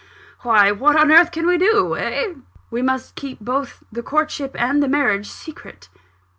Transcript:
Why, what on earth can we do eh?" "We must keep both the courtship and the marriage secret."